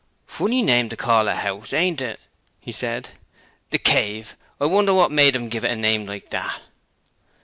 'Funny name to call a 'ouse, ain't it?' he said. '"The Cave." I wonder what made 'em give it a name like that.'